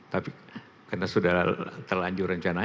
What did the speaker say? tapi karena sudah terlanjur rencananya